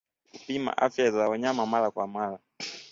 Kupima afya za wanyama mara kwa mara